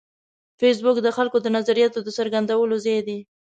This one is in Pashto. فېسبوک د خلکو د نظریاتو د څرګندولو ځای دی